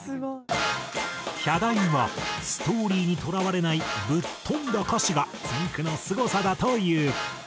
ヒャダインはストーリーにとらわれないぶっ飛んだ歌詞がつんく♂のすごさだという。